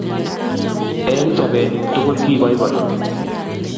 Eng sobennyo tugul kiboiboi